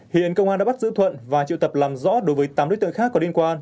hiện công an đã bắt giữ thuận và triệu tập làm rõ đối với tám đối tượng khác có liên quan